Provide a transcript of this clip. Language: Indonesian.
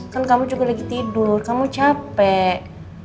kan kamu juga lagi tidur kamu capek